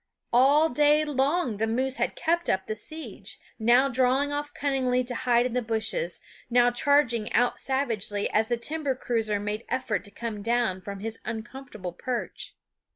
All day long the moose had kept up the siege, now drawing off cunningly to hide in the bushes, now charging out savagely as the timber cruiser made effort to come down from his uncomfortable perch.